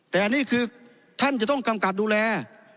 แต่อันนี้คือท่านจะต้องกำกับดูแล